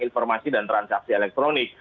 informasi dan transaksi elektronik